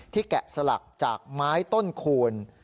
ที่แกะสลักจากไม้ต้นขุ่น